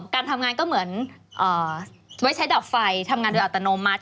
การทำงานก็เหมือนไว้ใช้ดับไฟทำงานโดยอัตโนมัติ